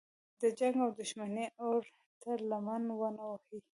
د جنګ او دښمنۍ اور ته لمن ونه وهي.